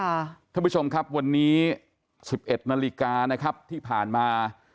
ท่านผู้ชมครับวันนี้๑๑นาฬิกานะครับที่ผ่านมา